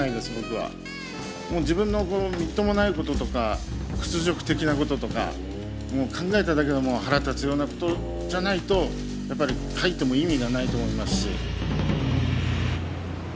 もう自分のこのみっともないこととか屈辱的なこととかもう考えただけで腹立つようなことじゃないとやっぱり書いても意味がないと思いますし。